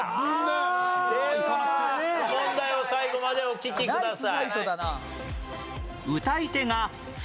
では問題を最後までお聞きください。